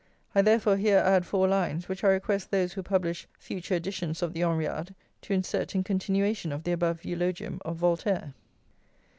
I therefore here add four lines, which I request those who publish future editions of the Henriade to insert in continuation of the above eulogium of Voltaire.